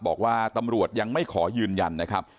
บอกว่าตำรวจยังไม่ขอยืนยันนะครับ